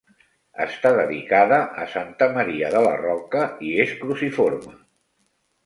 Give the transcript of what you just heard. Està dedicada a 'Santa Maria de la Roca' i és cruciforme.